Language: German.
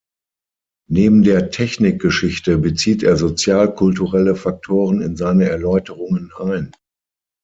Neben der Technikgeschichte bezieht er sozial-kulturelle Faktoren in seine Erläuterungen ein.